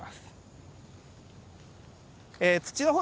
土の方